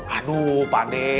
aduh pak de